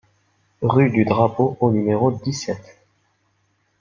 Rue du Drapeau au numéro dix-sept